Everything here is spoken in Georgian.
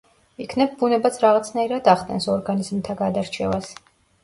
იქნებ, ბუნებაც რაღაცნაირად ახდენს ორგანიზმთა გადარჩევას.